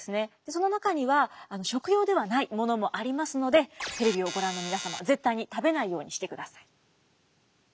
その中には食用ではないものもありますのでテレビをご覧の皆様絶対に食べないようにしてください。